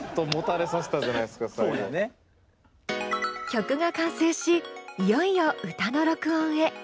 曲が完成しいよいよ歌の録音へ。